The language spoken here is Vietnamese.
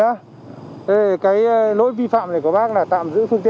cái lỗi vi phạm này của bác là tạm giữ phương tiện